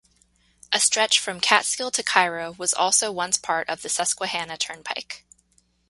A stretch from Catskill to Cairo was also once part of the Susquehannah Turnpike.